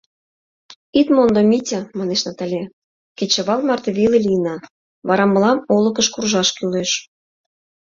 — Ит мондо, Митя, — манеш Натале, — кечывал марте веле лийына, вара мылам олыкыш куржаш кӱлеш.